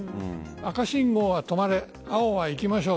赤信号は止まれ青は行きましょう。